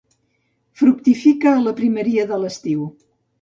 Fructifica a la primeria de l'estiu.